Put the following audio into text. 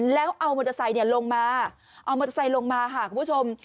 แล้วเอามอเตอร์ไซค์ลงมาเอามอเตอร์ไซค์ลงมาค่ะคุณผู้ชม